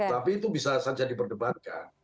tapi itu bisa saja diperdebarkan